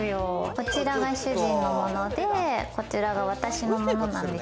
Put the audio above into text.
こちらが主人のもので、こちらが私のもの。